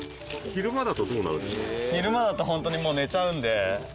昼間だと本当にもう寝ちゃうんで。